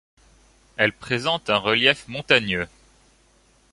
Elle présente un relief montagneux.